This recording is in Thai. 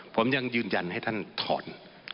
ผมยังยืนยันให้ท่านถอน